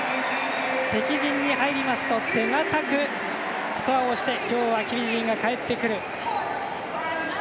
敵陣に入りますと手堅くスコアをして今日はフィジーが帰ってくる。